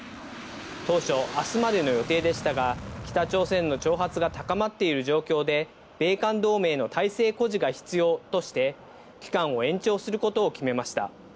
当初、あすまでの予定でしたが、北朝鮮の挑発が高まっている状況で、米韓同盟の態勢誇示が必要として、期間を延長することを決めました。